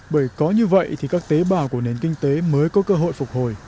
bởi có như vậy thì các tế bào của nền kinh tế mới có cơ hội phục hồi